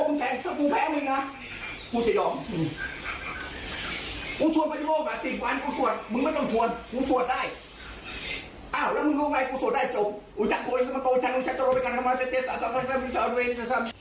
อุจักรโภยสมโตชันโจรเพจันทรมาศเตศอส่าวันเวรชาวเวรจะ